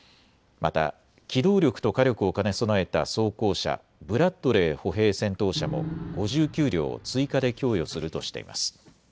また機動力と火力を兼ね備えた装甲車、ブラッドレー歩兵戦闘車も５９両追加で供与するとしています。